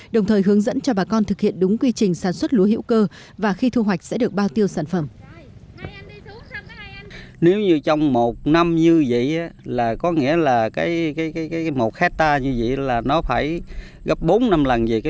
đồng thời hướng dẫn cho bà con thực hiện đúng quy trình sản xuất lúa hữu cơ và khi thu hoạch sẽ được bao tiêu sản phẩm